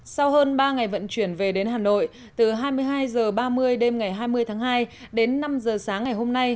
sau hơn ba ngày vận chuyển về đến hà nội từ hai mươi hai h ba mươi đêm ngày hai mươi tháng hai đến năm h sáng ngày hôm nay